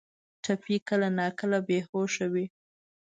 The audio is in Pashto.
ټپي کله ناکله بې هوشه وي.